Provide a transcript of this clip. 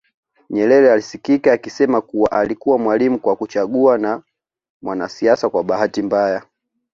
Nyerere alisikika akisema kuwa alikuwa mwalimu kwa kuchagua na mwanasiasa kwa bahati mbaya